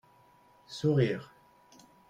Sourires.